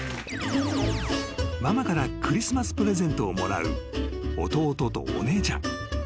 ［ママからクリスマスプレゼントをもらう弟とお姉ちゃん］